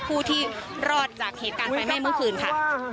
ผู้ที่รอดจากเหตุการณ์ไฟไหม้เมื่อคืนค่ะ